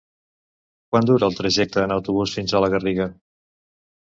Quant dura el trajecte en autobús fins a la Garriga?